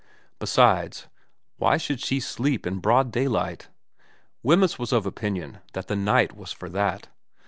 Besides, why should she sleep in broad daylight ? Wemyss was of opinion that the night was for that.